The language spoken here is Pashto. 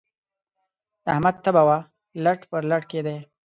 د احمد تبه وه؛ لټ پر لټ کېدی.